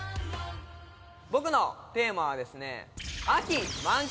僕のテーマはですね。